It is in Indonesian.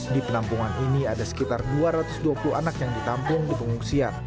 di penampungan ini ada sekitar dua ratus dua puluh anak yang ditampung di pengungsian